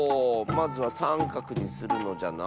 まずはさんかくにするのじゃな。